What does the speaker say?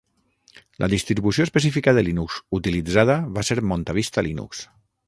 La distribució específica de Linux utilitzada va ser MontaVista Linux.